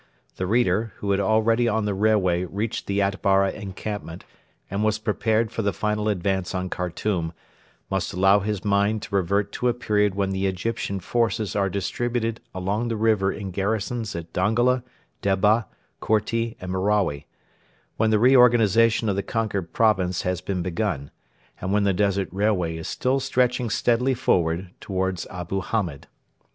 The reader, who had already on the railway reached the Atbara encampment and was prepared for the final advance on Khartoum, must allow his mind to revert to a period when the Egyptian forces are distributed along the river in garrisons at Dongola, Debba, Korti, and Merawi; when the reorganisation of the conquered province has been begun; and when the Desert Railway is still stretching steadily forward towards Abu Hamed.